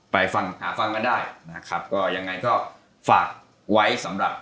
ไปฟังหาฟังกันได้นะครับก็ยังไงก็ฝากไว้สำหรับ